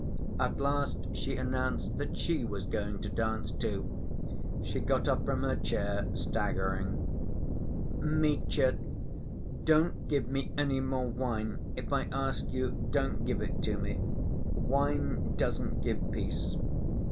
At last she announced that she was going to dance, too. She got up from her chair, staggering. "Mitya, don't give me any more wine—if I ask you, don't give it to me. Wine doesn't give peace.